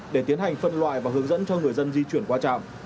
để tiến hành phân loại và hướng dẫn cho người dân di chuyển qua trạm